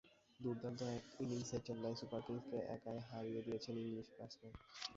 দুর্দান্ত এক ইনিংসে চেন্নাই সুপার কিংসকে একাই হারিয়ে দিয়েছেন ইংলিশ ব্যাটসম্যান।